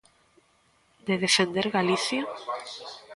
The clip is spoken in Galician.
¿De defender Galicia?